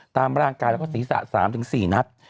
ตามร่างกายแล้วก็ศีรษะ๓๔นัด